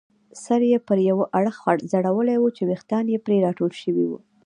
سر یې پر یوه اړخ ځړولی وو چې ویښتان یې پرې راټول شوي وو.